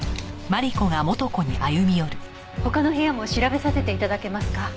他の部屋も調べさせて頂けますか？